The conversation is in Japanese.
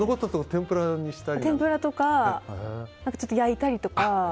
天ぷらとかちょっと焼いたりとか。